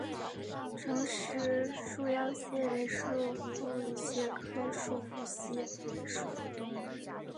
重石束腰蟹为束腹蟹科束腰蟹属的动物。